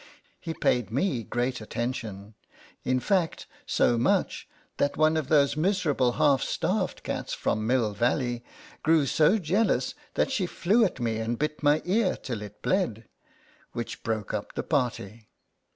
He paid me great attention : in fact, so much, that one of those miserable half starved cats from Mill Valley grew so jealous that she flew at me and bit my ear till it bled, which broke up the party.